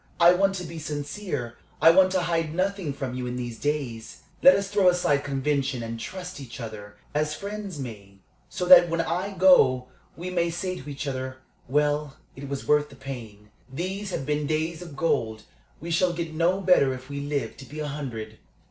I want to be sincere I want to hide nothing from you in these days. Let us throw aside convention and trust each other, as friends may, so that when I go we may say to each other, 'Well, it was worth the pain. These have been days of gold we shall get no better if we live to be a hundred.'"